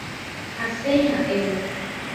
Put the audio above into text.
Asẽ ha'évo.